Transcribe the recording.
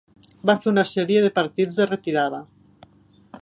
Va fer una sèrie de partits de retirada.